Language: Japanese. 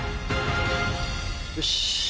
よし。